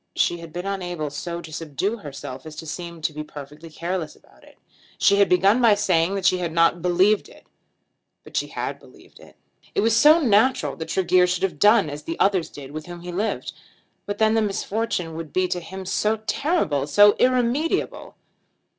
She had been unable so to subdue herself as to seem to be perfectly careless about it. She had begun by saying that she had not believed it; but she had believed it. It was so natural that Tregear should have done as the others did with whom he lived! But then the misfortune would be to him so terrible, so irremediable!